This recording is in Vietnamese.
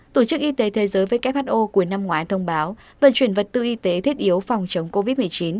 tổ chức y tế thế giới who cuối năm ngoái thông báo vận chuyển vật tư y tế thiết yếu phòng chống covid một mươi chín